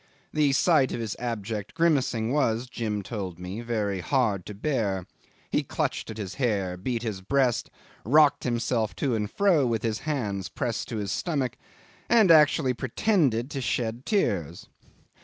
The sight of his abject grimacing was Jim told me very hard to bear: he clutched at his hair, beat his breast, rocked himself to and fro with his hands pressed to his stomach, and actually pretended to shed tears.